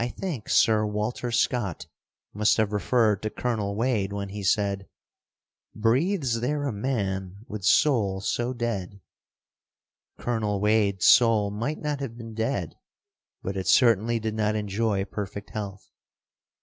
I think Sir Walter Scott must have referred to Colonel Wade when he said, "Breathes there a man with soul so dead?" Colonel Wade's soul might not have been dead, but it certainly did not enjoy perfect health.